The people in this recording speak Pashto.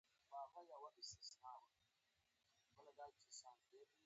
لمر لنډه کیسه ده.